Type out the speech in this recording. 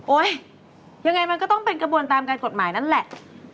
ยังไงมันก็ต้องเป็นกระบวนตามการกฎหมายนั่นแหละ